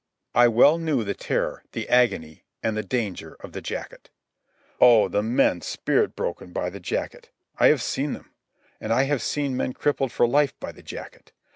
I well knew the terror, the agony, and the danger of the jacket. Oh, the men spirit broken by the jacket! I have seen them. And I have seen men crippled for life by the jacket.